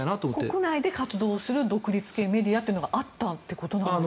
国内で活動する独立系メディアというのがあったということなんですね。